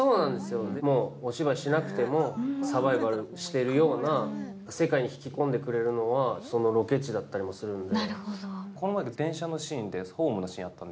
もうお芝居しなくてもサバイバルしているような世界に引き込んでくれるのはそのロケ地だったりもするので。